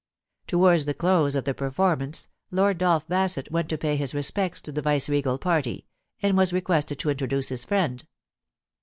Towards the close of the performance Lord Dolph Bassett went to pay his respects to the viceregal party, and was requested to introduce his friend.